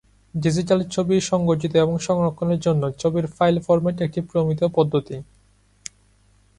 Digital ছবি সংগঠিত এবং সংরক্ষণের জন্য ছবির ফাইল ফরম্যাট একটি প্রমিত পদ্ধতি।